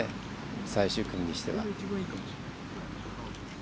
最終組にしては。